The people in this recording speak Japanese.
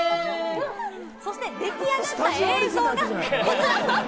そして、出来上がった映像がこちら！